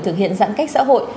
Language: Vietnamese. thực hiện giãn cách xã hội